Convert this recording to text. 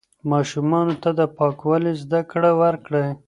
ماشومانو ته د پاکوالي زده کړه ورکړئ.